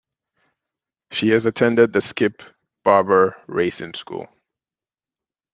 She has attended the Skip Barber Racing School.